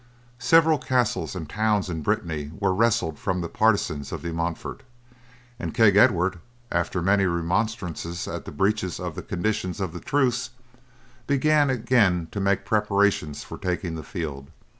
Several castles and towns in Brittany were wrested from the partisans of De Montford, and King Edward, after many remonstrances at the breaches of the conditions of the truce, began again to make preparations for taking the field.